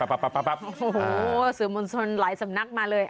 โอ้โหสื่อมวลชนหลายสำนักมาเลย